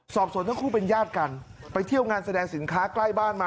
สอบสวนทั้งคู่เป็นญาติกันไปเที่ยวงานแสดงสินค้าใกล้บ้านมา